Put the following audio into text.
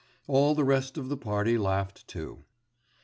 All the rest of the party laughed too.